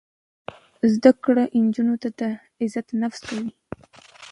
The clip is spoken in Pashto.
زده کړه نجونو ته د عزت نفس ورکوي.